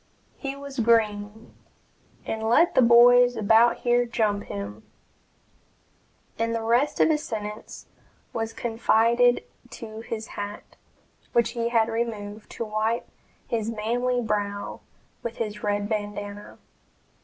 He was green, and let the boys about here jump him" and the rest of his sentence was confided to his hat, which he had removed to wipe his manly brow with his red bandanna.